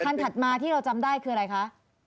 ถัดมาที่เราจำได้คืออะไรคะ